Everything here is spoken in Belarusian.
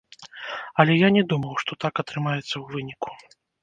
Але я не думаў, што так атрымаецца ў выніку.